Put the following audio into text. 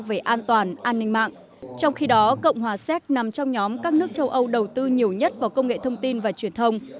về an toàn an ninh mạng trong khi đó cộng hòa séc nằm trong nhóm các nước châu âu đầu tư nhiều nhất vào công nghệ thông tin và truyền thông